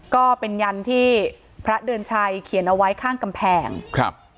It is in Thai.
ก็เป็นยันที่พระเดือนชัยเขียนเอาไว้ข้างกำแพงครับ